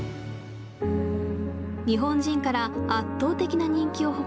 日本人から圧倒的な人気を誇るゴッホ。